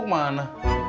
kamu mau kemana